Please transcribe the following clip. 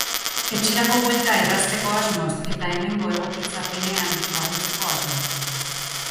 Etxerako buelta errazteko asmoz eta hemengo egokitzapenean laguntzeko asmoz.